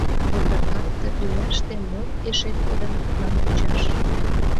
Озыркан ты тӱняште мом эше кодын тудлан вучаш?